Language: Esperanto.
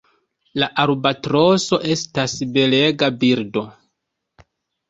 La Albatroso estas belega birdo.